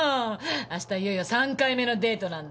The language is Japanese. あしたいよいよ３回目のデートなんだって。